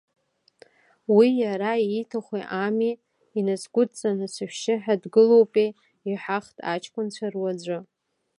Уи иара ииҭаху ами инасгәыдҵаны сышәшьы ҳәа дгылоупеи, иҳәахт аҷкәынцәа руаӡәы.